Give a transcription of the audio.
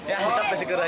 ya tetap bersikap saja